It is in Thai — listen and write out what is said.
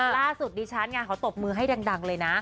ราตุฯรีชาร์จงานเขาตบมือให้ดังเลยนะ